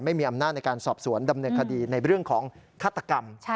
ไม่มีอำนาจในการสอบสวนดำเนินคดีในเรื่องของฆาตกรรม